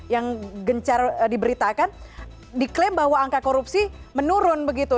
yang gencar diberitakan diklaim bahwa angka korupsi menurun begitu